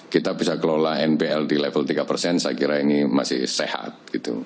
kita bisa kelola nbl di level tiga persen saya kira ini masih sehat gitu